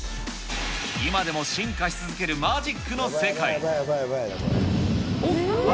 今でも進化し続けるマジックの世界。